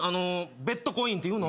ベッドコインっていうの？